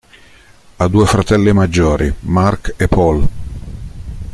Ha due fratelli maggiori, Mark e Paul.